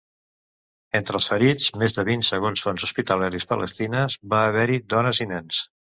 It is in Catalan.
Entre els ferits, més de vint segons fonts hospitalàries palestines, va haver-hi dones i nens.